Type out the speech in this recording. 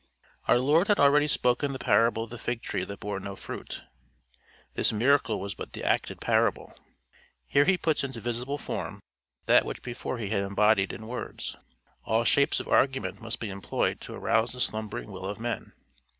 Our Lord had already spoken the parable of the fig tree that bore no fruit. This miracle was but the acted parable. Here he puts into visible form that which before he had embodied in words. All shapes of argument must be employed to arouse the slumbering will of men.